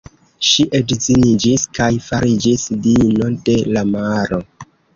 Ŝi edziniĝis, kaj fariĝis diino de la maro.